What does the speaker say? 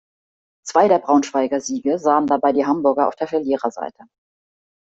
Zwei der Braunschweiger Siege sahen dabei die Hamburger auf der Verliererseite.